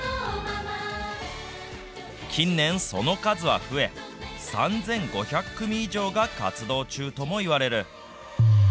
近年、その数は増え、３５００組以上が活動中ともいわれる。